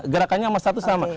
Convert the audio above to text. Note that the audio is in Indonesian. gerakannya sama satu sama